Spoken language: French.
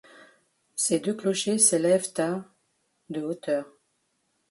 Ses deux clochers s'élèvent à de hauteur.